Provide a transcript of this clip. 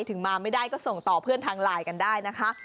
ถึงมาไม่ได้ก็ส่งต่อเพื่อนทางไลน์กันได้นะคะ